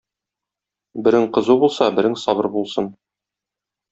Берең кызу булса, берең сабыр булсын.